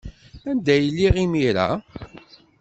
Anda ay lliɣ imir-a?